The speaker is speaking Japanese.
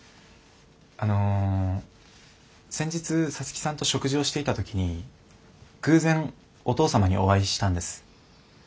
あの先日皐月さんと食事をしていた時に偶然お父様にお会いしたんです。